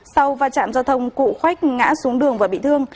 sau va chạm giao thông cụ khuếch ngã xuống đường và bị thương